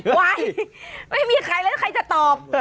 ไว้ไม่มีใครแล้วใครจะตอบ